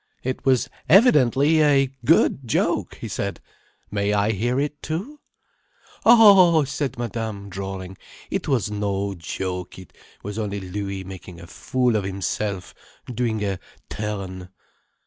"It was evidently a good joke," he said. "May I hear it too?" "Oh," said Madame, drawling. "It was no joke. It was only Louis making a fool of himself, doing a turn."